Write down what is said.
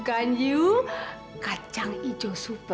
ma neme kenapa